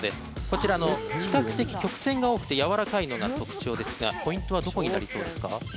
こちら比較的、曲線が多くてやわらかいのが特徴ですがポイントはどこになりそうですか？